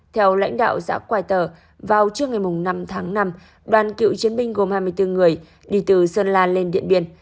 theo lãnh đạo xã quài tở vào trước ngày năm tháng năm đoàn cựu chiến binh gồm hai mươi bốn người đi từ sơn lan lên điện biên